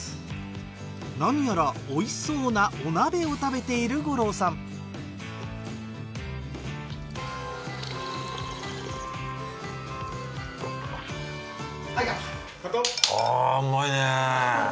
何やらおいしそうなお鍋を食べてる五郎さんカット。